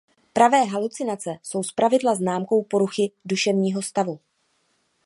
Pravé halucinace jsou zpravidla známkou poruchy duševního stavu.